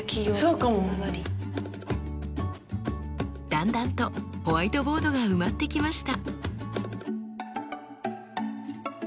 だんだんとホワイトボードが埋まってきました。